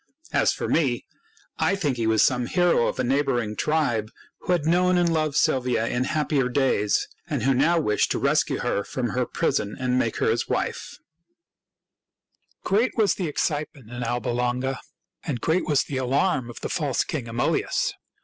As for me, I think he was some hero of a neigh boringf tribe who had known and loved Silvia in happier days, and who now wished to rescue her from her prison and make her his wife. l8o THIRTY MORE FAMOUS STORIES Great was the excitement in Alba Longa, and great was the alarm of the false king Amulius.